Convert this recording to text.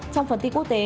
trong phần tin quốc tế